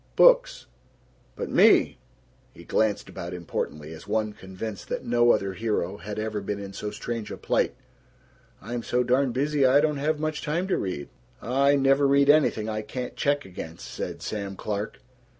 Books. But me," he glanced about importantly, as one convinced that no other hero had ever been in so strange a plight, "I'm so darn busy I don't have much time to read." "I never read anything I can't check against," said Sam Clark.